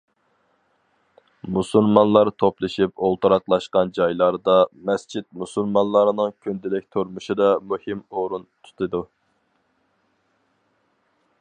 مۇسۇلمانلار توپلىشىپ ئولتۇراقلاشقان جايلاردا، مەسچىت مۇسۇلمانلارنىڭ كۈندىلىك تۇرمۇشىدا مۇھىم ئورۇن تۇتىدۇ.